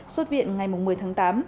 xuất viện ngày một mươi tháng tám